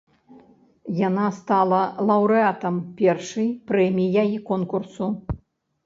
Яна стала лаўрэатам першай прэміяй конкурсу.